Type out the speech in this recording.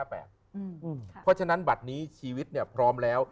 เพราะฉะนั้นบัตรนี้ชีวิตพร้อมแล้ว